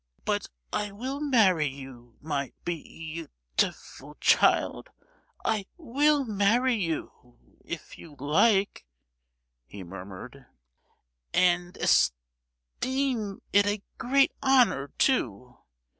"But I will marry you, my beau—t—iful child, I will marry you, if you like"—he murmured, "and est—eem it a great honour, too!